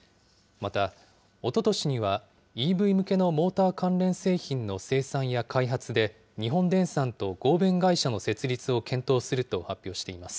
また、おととしには、ＥＶ向けのモーター関連製品の生産や開発で、日本電産と合弁会社の設立を検討すると発表しています。